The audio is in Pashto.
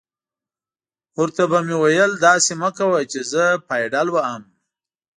ور ته به مې ویل: داسې مه کوه چې زه پایډل وهم.